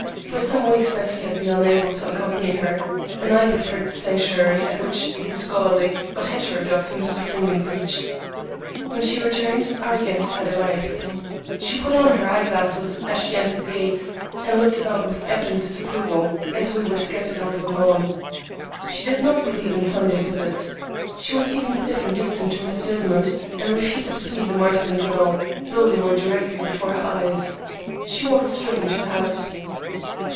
For some weeks Bessie had been unable to accompany her, and I preferred the sanctuary at which the scholarly, but heterodox, Mr. Freeman preached. When she returned, our guests had arrived. She put on her eye glasses as she entered the gate, and looked about with evident disapproval, as we were scattered over the lawn. She did not believe in Sunday visits. She was even stiff and distant to Mr. Desmond, and refused to see the Marstons at all, though they were directly before her eyes. She walked straight into the house.